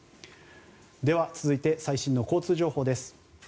では、続いて最新の交通情報です。